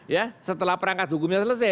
ya setelah perangkat hukumnya selesai